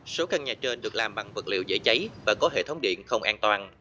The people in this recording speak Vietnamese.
số căn nhà trên được làm bằng vật liệu dễ cháy và có hệ thống điện không an toàn